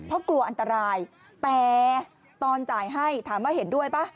เพราะกลัวอันตรายแต่ตอนจ่ายให้ถามว่าเห็นด้วยป่ะ